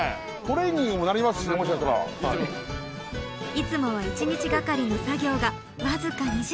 いつもは１日がかりの作業が僅か２時間で。